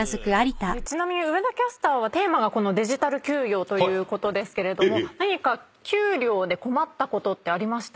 ちなみに上田キャスターはテーマがデジタル給与ということですけれども何か給料で困ったことってありました？